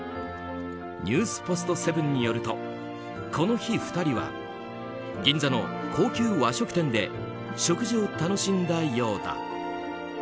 ニュースポストセブンによるとこの日２人は銀座の高級和食店で食事を楽しんだようだ。